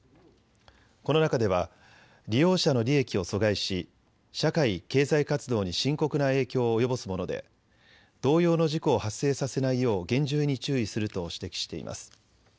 この中では利用者の利益を阻害し社会、経済活動に深刻な影響を及ぼすもので、同様の事故を発生させないよう厳重に注意すると指摘しています。